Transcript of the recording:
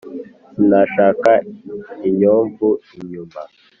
sinashaka inyovu inyuma.